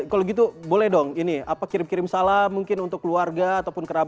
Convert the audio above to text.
kalau gitu boleh dong ini apa kirim kirim salam mungkin untuk keluarga ataupun kerabat